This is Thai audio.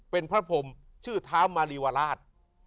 เป็นพระพรมชื่อเท้ามารีวราช